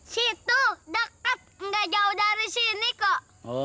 situ deket gak jauh dari sini kok